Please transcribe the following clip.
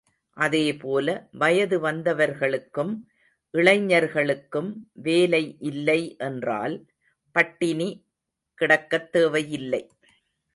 அதே போல வயது வந்தவர்களுக்கும் இளைஞர்களுக்கும் வேலை இல்லை என்றால் பட்டினி கிடக்கத் தேவை இல்லை.